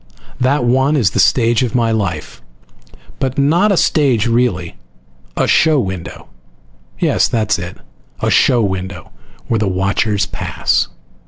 That one is the stage of my life. But not a stage, really. A show window. Yes, that is it. A show window, where the watchers pass.